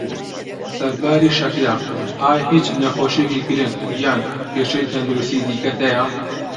سەرباری شەکره، ئایا هیچ نەخۆشیەکی گرنگ یان کێشەی تەندروستی دیکەت هەیە؟